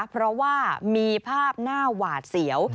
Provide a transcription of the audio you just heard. เพราะว่ามีภาพหน้าหวาดเสียว